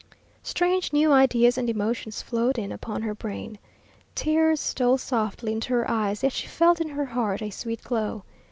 Strange new ideas and emotions flowed in upon her brain. Tears stole softly into her eyes, yet she felt in her heart a sweet glow.